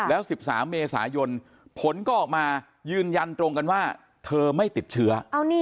แล้ว๑๓เมษายนผลก็ออกมายืนยันตรงกันว่าเธอไม่ติดเชื้อ